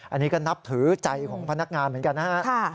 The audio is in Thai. อันนี้ก็นับถือใจของพนักงานเหมือนกันนะฮะ